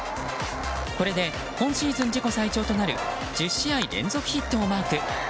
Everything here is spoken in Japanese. これで今シーズン自己最長となる１０試合連続ヒットをマーク。